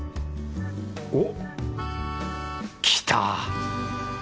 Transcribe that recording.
おっ来た！